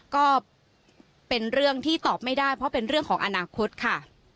ก็เป็นเรื่องที่ตอบไม่ได้เพราะเป็นเรื่องของอนาคตค่ะ